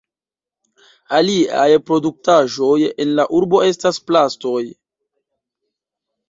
Aliaj produktaĵoj en la urbo estas plastoj.